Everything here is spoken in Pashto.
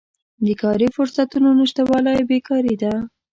د کاري فرصتونو نشتوالی بیکاري ده.